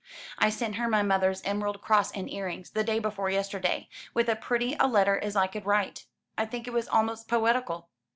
I sent her my mother's emerald cross and earrings, the day before yesterday, with as pretty a letter as I could write. I think it was almost poetical."